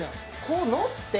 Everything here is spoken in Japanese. こう乗って。